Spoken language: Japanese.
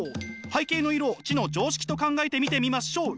背景の色を知の常識と考えてみてみましょう。